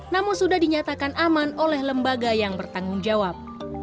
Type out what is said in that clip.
namun sudah dinyatakan aman oleh lembaga yang bertanggung jawab